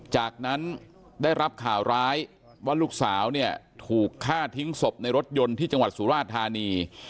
จากนั้นได้รับข่าวร้ายว่าลูกสาวเนี่ยถูกฆ่าทิ้งศพในรถยนต์ที่จังหวัดสุราธานี